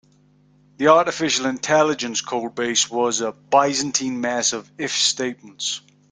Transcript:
The artificial intelligence codebase was a byzantine mess of if statements.